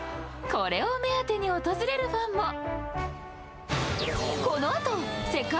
これを目当てに訪れるファンも。